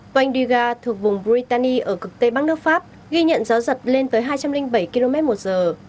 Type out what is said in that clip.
toanh diga thực vùng brittany ở cực tây bắc nước pháp ghi nhận gió giật lên tới hai trăm linh bảy km một giờ